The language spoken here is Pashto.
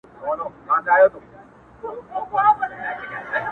• ته به مي پر قبر د جنډۍ په څېر ولاړه یې ,